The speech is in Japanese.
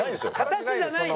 形じゃないんだ。